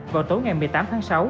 vào tối ngày một mươi tám tháng sáu